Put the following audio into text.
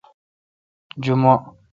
جمعہ